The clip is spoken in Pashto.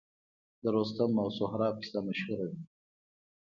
د رستم او سهراب کیسه مشهوره ده